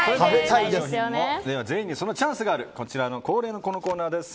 全員にそのチャンスがある恒例のこのコーナーです。